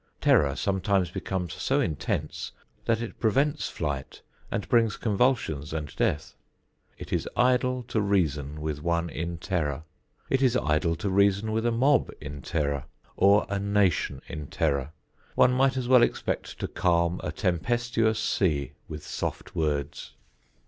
Terror sometimes becomes so intense that it prevents flight and brings convulsions and death. It is idle to reason with one in terror. It is idle to reason with a mob in terror or a nation in terror. One might as well expect to calm a tempestuous sea with soft words.